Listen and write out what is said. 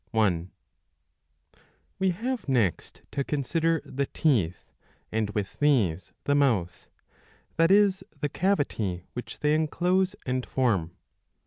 I J We have next to consider the teeth, and with these the mouth, that is the cavity which they enclose and form.